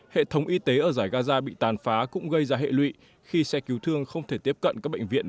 hệ thống y tế ở giải gaza bị tàn phá cũng gây ra hệ lụy khi xe cứu thương không thể tiếp cận các bệnh viện